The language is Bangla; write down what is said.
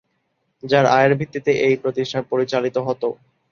যার আয়ের ভিত্তিতে এই প্রতিষ্ঠান পরিচালিত হত।